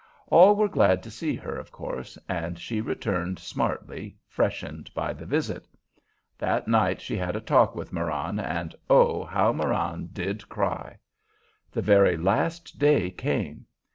All were glad to see her, of course, and she returned smartly, freshened by the visit. That night she had a talk with Marann, and oh, how Marann did cry! The very last day came.